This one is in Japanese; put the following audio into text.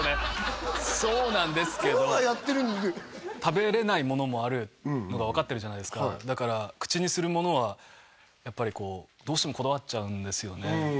そうなんですけどプロがやってるんで食べれないものもあるのが分かってるじゃないですかだから口にするものはやっぱりこうどうしてもこだわっちゃうんですよね